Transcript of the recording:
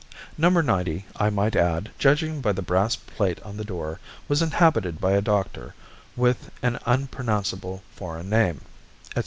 No. 90, I might add, judging by the brass plate on the door, was inhabited by a doctor with an unpronounceable foreign name," etc.